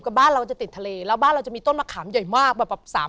คุณพ่อเป็นฆาตราชการอยู่ที่สัตหีพ